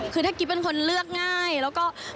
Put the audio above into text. กุ๊บกิ๊บขอสงวนท่าที่ให้เวลาเป็นเครื่องท่าที่สุดไปก่อน